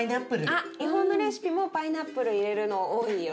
あっ日本のレシピもパイナップル入れるの多いよ。